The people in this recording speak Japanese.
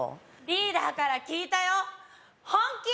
リーダーから聞いたよ本気？